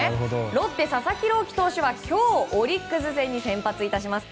ロッテ、佐々木朗希投手が今日オリックス戦に先発します。